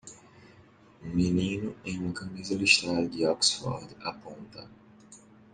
Um menino em uma camisa listrada de oxford aponta.